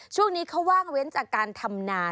ช่วงนี้เขาว่างเว้นจากการทำนา